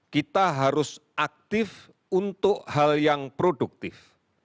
kita harus aktif untuk hal yang produktif